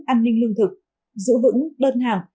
an ninh lương thực giữ vững đơn hàng